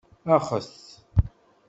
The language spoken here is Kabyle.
Axet!